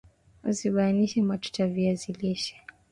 Usibananishe matuta viazi lishe